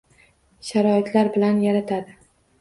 sharoitlar yaratadi;